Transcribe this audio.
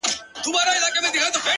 خو د چا يو ويښته له سر ايستلی نه و;